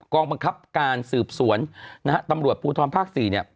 กองบังคับการสืบสวนตำรวจปูทรภาค๔